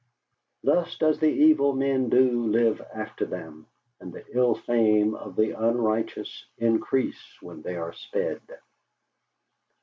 Thus does the evil men do live after them, and the ill fame of the unrighteous increase when they are sped!